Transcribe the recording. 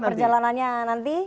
apa dengan perjalanannya nanti